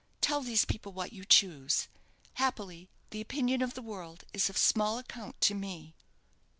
Tell these people what you choose. Happily, the opinion of the world is of small account to me."